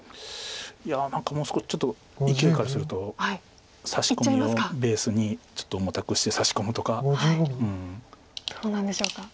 いや何かもうちょっといきおいからするとサシコミをベースにちょっと重たくしてサシ込むとか。どうなんでしょうか。